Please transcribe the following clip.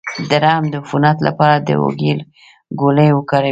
د رحم د عفونت لپاره د هوږې ګولۍ وکاروئ